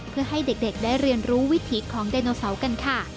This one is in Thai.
เพื่อให้เด็กได้เรียนรู้วิถีของไดโนเสาร์กันค่ะ